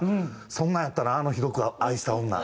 そんなんやったなあのひどく愛した女。